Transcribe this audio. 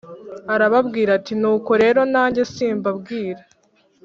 arababwira ati Nuko rero nanjye simbabwira